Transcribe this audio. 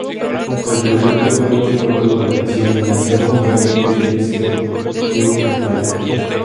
El proyecto fue de muy corta duración, lanzando únicamente el disco "Through the Fire".